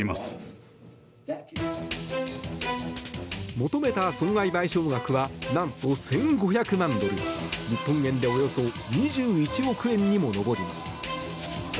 求めた損害賠償額は何と１５００万ドル日本円でおよそ２１億円にも上ります。